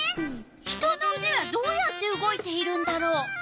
人のうではどうやって動いているんだろう？